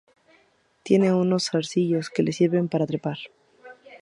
Tiene unos zarcillos que le sirven para trepar.